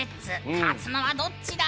勝つのはどっちだ？